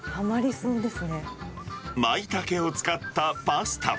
そマイタケを使ったパスタは。